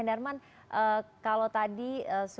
terima kasih pak